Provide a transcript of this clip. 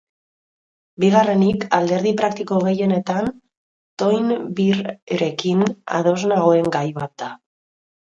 Bigarrenik, alderdi praktiko gehienetan Toynbeerekin ados nagoen gai bat da.